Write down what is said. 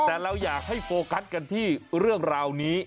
แต่เราอยากให้โฟกัสกันที่เรื่องราวนี้